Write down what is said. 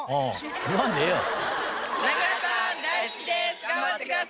言わんでええやろ。